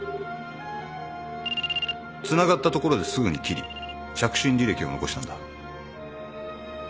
つながったところですぐに切り着信履歴を残したんだ。